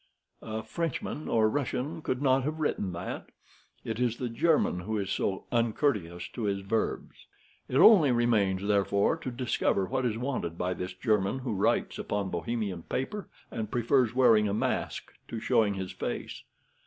A Frenchman or Russian could not have written that. It is the German who is so uncourteous to his verbs. It only remains, therefore, to discover what is wanted by this German who writes upon Bohemian paper, and prefers wearing a mask to showing his face.